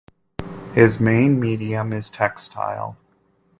His main medium is textile.